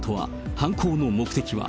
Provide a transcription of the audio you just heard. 犯行の目的は。